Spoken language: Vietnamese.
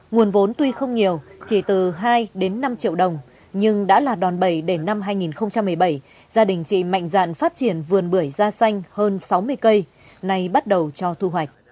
nguồn vốn tuy không nhiều chỉ từ hai đến năm triệu đồng nhưng đã là đòn bẩy để năm hai nghìn một mươi bảy gia đình chị mạnh dạn phát triển vườn bưởi da xanh hơn sáu mươi cây nay bắt đầu cho thu hoạch